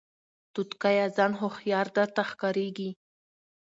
توتکیه ځان هوښیار درته ښکاریږي